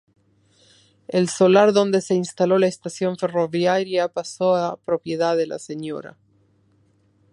El solar donde se instaló la estación ferroviaria, pasó a propiedad de la Sra.